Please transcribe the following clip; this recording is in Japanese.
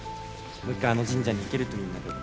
もう一回あの神社に行けるといいんだけど。